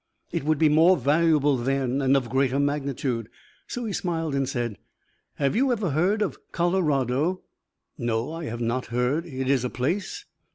It would be more valuable then and of greater magnitude. So he smiled and said: "Have you ever heard of Colorado?" "No, I have not heard. It is a place?"